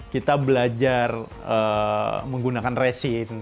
kita belajar menggunakan resin